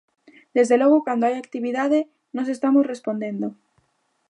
Desde logo, cando hai actividade, nós estamos respondendo.